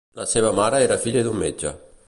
La seva mare era filla d'un metge.